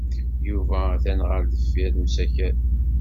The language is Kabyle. Yuba atan ɣer deffir n usakal.